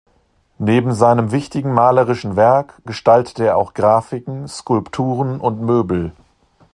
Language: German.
Neben seinem wichtigen malerischen Werk gestaltete er auch Grafiken, Skulpturen und Möbel.